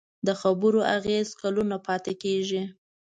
د خبرو اغېز کلونه پاتې کېږي.